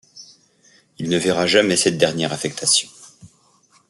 Il ne verra jamais cette dernière affectation.